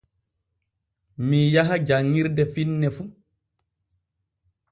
Mii yaha janŋirde finne fu.